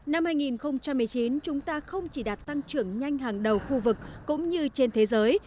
năm hai nghìn một mươi chín chúng ta không chỉ đạt tăng trưởng nhanh hàng đầu khu vực cũng như trên thế giới